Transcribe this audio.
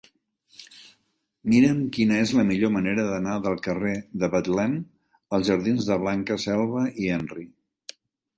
Mira'm quina és la millor manera d'anar del carrer de Betlem als jardins de Blanca Selva i Henry.